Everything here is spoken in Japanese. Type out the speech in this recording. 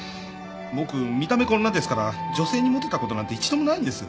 僕見た目こんなですから女性にもてたことなんて一度もないんです。